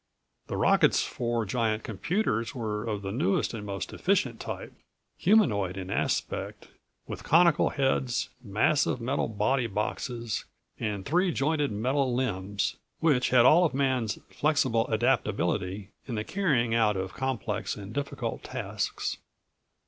The rocket's four giant computers were of the newest and most efficient type humanoid in aspect, with conical heads, massive metal body boxes, and three jointed metal limbs which had all of Man's flexible adaptability in the carrying out of complex and difficult tasks.